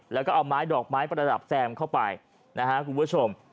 แล้วก็เอาไม้ดอกไม้ประดับแซมเข้าไปนะฮะคุณผู้ชม